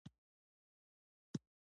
د کندهار لیوان خطرناک دي